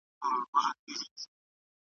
دوې هیلۍ وي له خپل سېله بېلېدلې .